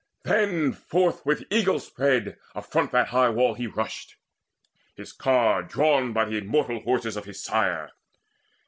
Then forth with eagle speed Afront of that high wall he rushed, his ear Drawn by the immortal horses of his sire.